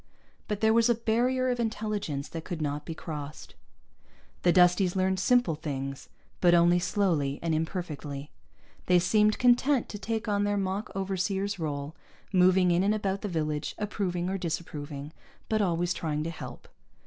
But there was a barrier of intelligence that could not be crossed. The Dusties learned simple things, but only slowly and imperfectly. They seemed content to take on their mock overseer's role, moving in and about the village, approving or disapproving, but always trying to help.